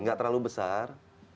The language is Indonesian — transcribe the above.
nggak terlalu besar